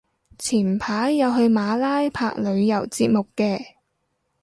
前排有去馬拉拍旅遊節目嘅